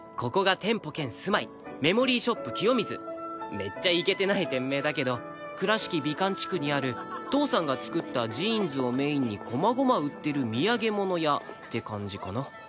めっちゃイケてない店名だけど倉敷美観地区にある父さんが作ったジーンズをメインにこまごま売ってる土産物屋って感じかな